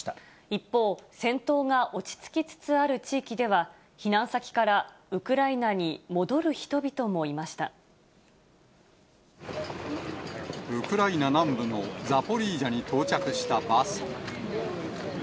一方、戦闘が落ち着きつつある地域では、避難先からウクライナに戻る人々ウクライナ南部のザポリージャに到着したバス。